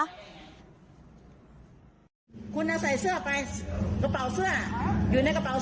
เอาล่ะเอาไปเอาอะไร